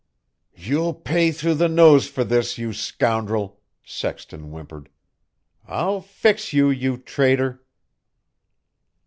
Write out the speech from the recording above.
"You'll pay through the nose for this, you scoundrel," Sexton whimpered. "I'll fix you, you traitor."